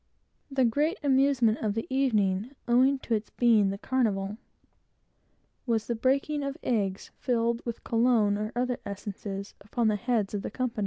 The great amusement of the evening, which I suppose was owing to its being carnival was the breaking of eggs filled with cologne, or other essences, upon the heads of the company.